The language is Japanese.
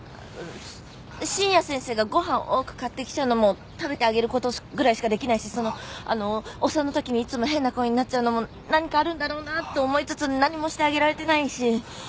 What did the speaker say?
深夜先生がご飯多く買ってきちゃうのも食べてあげる事ぐらいしかできないしそのあのお産の時にいつも変な顔になっちゃうのも何かあるんだろうなと思いつつ何もしてあげられてないし。